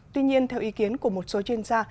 tuy nhiên theo ý kiến của một số chuyên gia